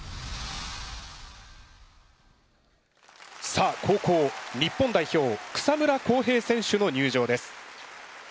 さあ後攻日本代表草村航平選手の入場です。